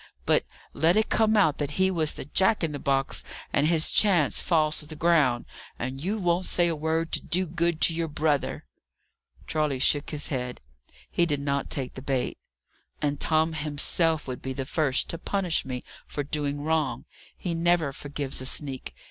But, let it come out that he was the Jack in the box, and his chance falls to the ground. And you won't say a word to do good to your brother!" Charley shook his head. He did not take the bait. "And Tom himself would be the first to punish me for doing wrong! He never forgives a sneak.